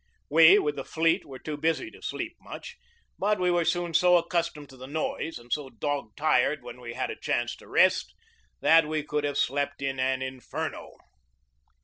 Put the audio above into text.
We, with the fleet, were too busy to sleep much, but we were soon so accus tomed to the noise, and so dog tired when we had a chance to rest, that we could have slept in an inferno.